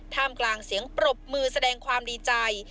กลางเสียงปรบมือแสดงความดีใจ